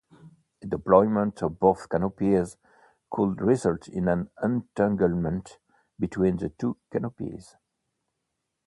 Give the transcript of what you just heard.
A deployment of both canopies could result in an entanglement between the two canopies.